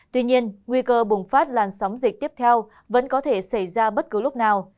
tuy nhiên nguy cơ bùng phát làn sóng dịch tiếp theo vẫn có thể xảy ra bất cứ lúc nào